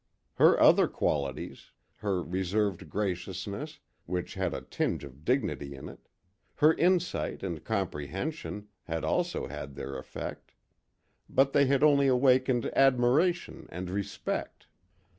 Her other qualities, her reserved graciousness, which had a tinge of dignity in it; her insight and comprehension, had also had their effect; but they had only awakened admiration and respect.